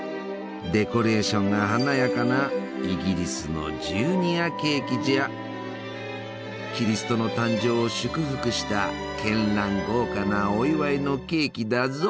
デコレーションが華やかなイギリスのキリストの誕生を祝福したけんらん豪華なお祝いのケーキだぞ！